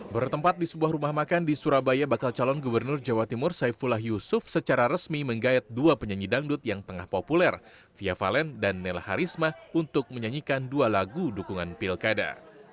bertempat di sebuah rumah makan di surabaya bakal calon gubernur jawa timur saifullah yusuf secara resmi menggayat dua penyanyi dangdut yang tengah populer fia valen dan nela harisma untuk menyanyikan dua lagu dukungan pilkada